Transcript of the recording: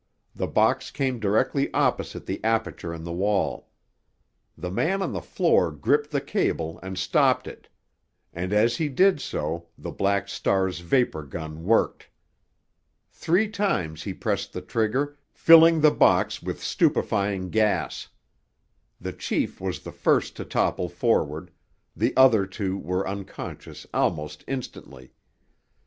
The box came directly opposite the aperture in the wall. The man on the floor gripped the cable and stopped it, and as he did so the Black Star's vapor gun worked. Three times he pressed the trigger, filling the box with stupefying gas. The chief was the first to topple forward; the other two were unconscious almost instantly.